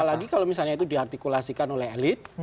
apalagi kalau misalnya itu diartikulasikan oleh elit